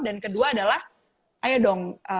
dan kedua adalah ayo dong